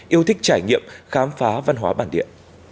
yêu thích trải nghiệm khám phá văn hóa bản địa